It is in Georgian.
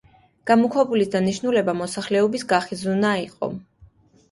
გამოქვაბულის დანიშნულება მოსახლეობის გახიზვნა იყო.